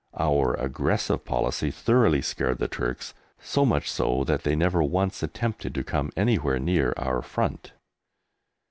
Our aggressive policy thoroughly scared the Turks, so much so that they never once attempted to come anywhere near our front.